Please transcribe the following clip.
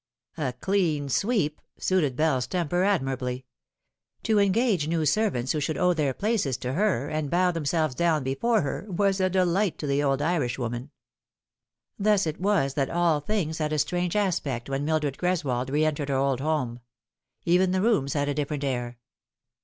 " A clean sweep " suited Bell's temper admirably. To engage new servants who should owe their places to her, and bow them selves down before her, was a delight to the old Irishwoman. Thus it was that all things had a strange aspect when Mildred Greswold reentered her old home. Even the rooms had a different air.